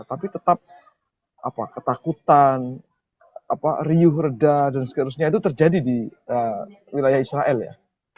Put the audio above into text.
tapi tetap ketakutan riuh reda dan seterusnya itu terjadi di wilayah israel ya